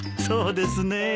そうですね。